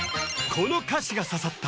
この歌詞が刺さった！